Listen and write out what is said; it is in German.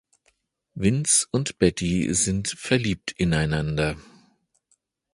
Vince und Betty sind verliebt ineinander.